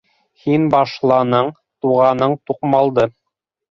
Һин башланың, туғаның туҡмалды.